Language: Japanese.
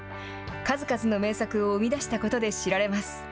数々の名作を生み出したことで知られます。